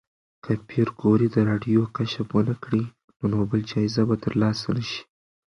که پېیر کوري د راډیوم کشف ونکړي، نو نوبل جایزه به ترلاسه نه شي.